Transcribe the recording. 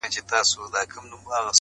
سیاه پوسي ده، برباد دی.